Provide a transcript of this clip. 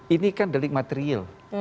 ini kan delik material